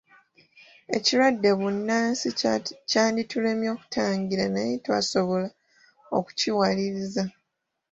Ekirwadde bunnansi kyanditulemye okutangira naye twasobola okukiwaliriza.